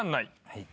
はい。